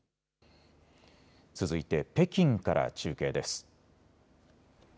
続いて北京から中継です。